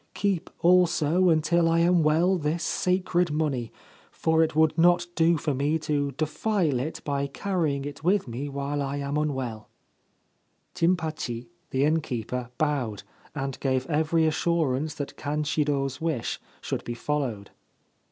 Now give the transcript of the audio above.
Keep also until I am well this sacred money, for it would not do for me to defile it by carrying it with me while I am unwell/ Jimpachi, the innkeeper, bowed, and gave every assur ance that Kanshiro's wish should be followed.